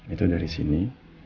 itu dari sini